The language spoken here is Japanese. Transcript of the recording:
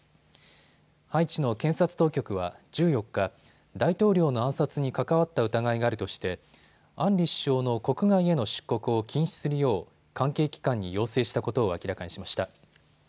ハイチの検察当局は１４日、大統領の暗殺に関わった疑いがあるとしてアンリ首相の国外への出国を禁止するよう関係機関に要請したことを明らかにしました。